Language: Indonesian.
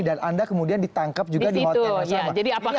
dan anda kemudian ditangkap juga di hotel saripan pacific